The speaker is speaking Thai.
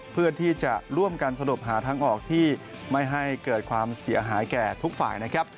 เพื่อที่จะร่วมกันสรุปหาทางออกที่ไม่ให้เกิดความเสียหายแก่ทุกฝ่ายนะครับ